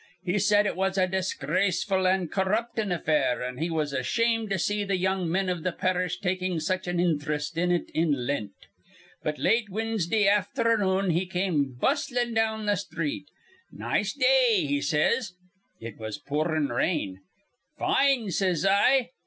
He said it was a disgraceful an' corruptin' affair, an' he was ashamed to see th' young men iv th' parish takin' such an inthrest in it in Lent. But late Winsdah afthernoon he came bust lin' down th' sthreet. 'Nice day,' he says. It was poorin' rain. 'Fine,' says I.